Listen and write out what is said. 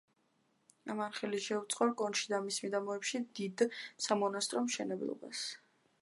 ამან ხელი შეუწყო, რკონში და მის მიდამოებში დიდ სამონასტრო მშენებლობას.